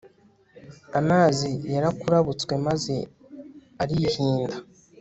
amazi yarakurabutswe maze arihinda